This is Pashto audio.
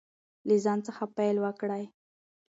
له ځان څخه پیل وکړئ.